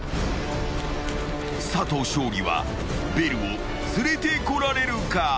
［佐藤勝利はベルを連れてこられるか？］